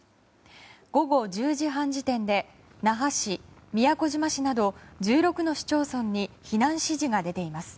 午後１０時半時点で那覇市、宮古島市など１６の市町村に避難指示が出ています。